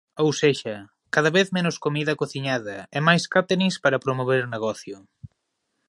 Ou sexa, cada vez menos comida cociñada e máis cáterings para promover o negocio.